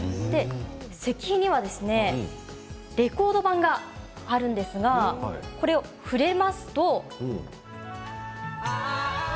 石碑にはレコード盤があるんですがこれに触れますと。